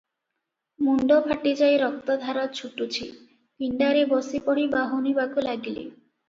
ମୁଣ୍ଡ ଫାଟିଯାଇ ରକ୍ତଧାର ଛୁଟିଛି, ପିଣ୍ଡାରେ ବସିପଡ଼ି ବାହୁନିବାକୁ ଲାଗିଲେ -